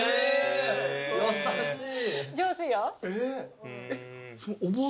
優しい。